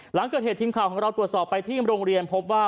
หลังเกิดเหตุทีมข่าวของเราตรวจสอบไปที่โรงเรียนพบว่า